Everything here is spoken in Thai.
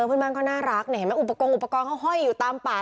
เพื่อนบ้านก็น่ารักเนี่ยเห็นไหมอุปกรณ์อุปกรณ์เขาห้อยอยู่ตามป่า